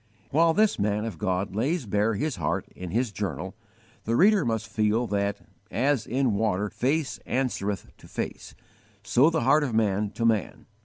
While this man of God lays bare his heart in his journal, the reader must feel that "as in water face answereth to face, so the heart of man to man."